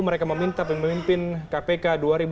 mereka meminta pemimpin kpk